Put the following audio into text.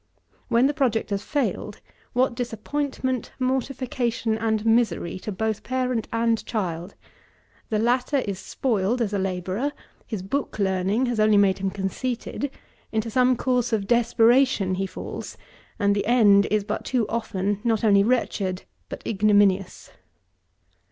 When the project has failed, what disappointment, mortification and misery, to both parent and child! The latter is spoiled as a labourer: his book learning has only made him conceited: into some course of desperation he falls; and the end is but too often not only wretched but ignominious.